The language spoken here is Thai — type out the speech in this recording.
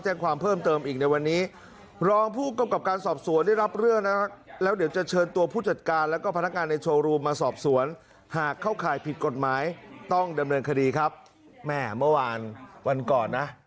เชิญคดีครับแม่เมื่อวานวันก่อนนะ